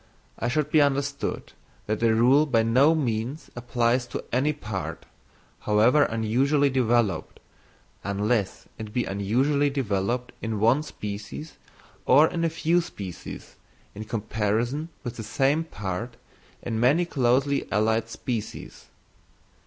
It should be understood that the rule by no means applies to any part, however unusually developed, unless it be unusually developed in one species or in a few species in comparison with the same part in many closely allied species.